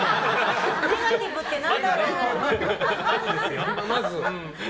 ネガティブって何だろうって。